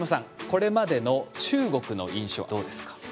これまでの中国の印象どうですか？